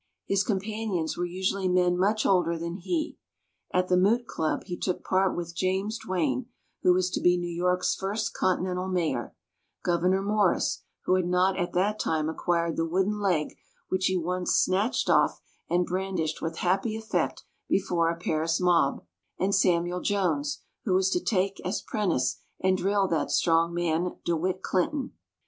His companions were usually men much older than he. At the "Moot Club" he took part with James Duane, who was to be New York's first continental mayor; Gouverneur Morris, who had not at that time acquired the wooden leg which he once snatched off and brandished with happy effect before a Paris mob; and Samuel Jones, who was to take as 'prentice and drill that strong man, De Witt Clinton.